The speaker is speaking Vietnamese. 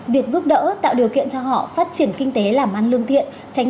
việc giúp đỡ tạo điều kiện cho họ phát triển kinh tế làm ăn lương thiện